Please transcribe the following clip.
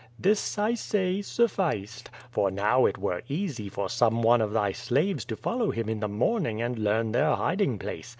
This, I say, sufficed. For now it were easy for some one of thy slaves to follow him in the morning and learn their hiding place.